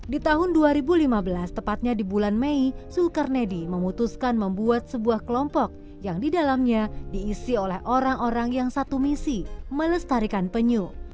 di tahun dua ribu lima belas tepatnya di bulan mei zulkarnedi memutuskan membuat sebuah kelompok yang didalamnya diisi oleh orang orang yang satu misi melestarikan penyu